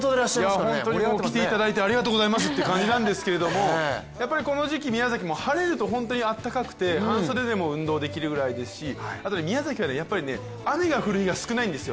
ほんとに来ていただいてありがとうございますって感じなんですけどやっぱり、この時期宮崎も晴れると本当に暖かくて半袖で過ごせることも多いんですけどあと宮崎はやっぱり雨の降りが少ないんですよ。